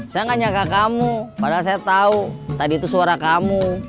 saya nggak nyangka kamu padahal saya tahu tadi itu suara kamu